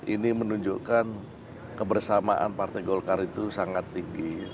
ini menunjukkan kebersamaan partai golkar itu sangat tinggi